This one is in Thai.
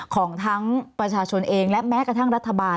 ของทั้งประชาชนเองและแม้กระทั่งรัฐบาล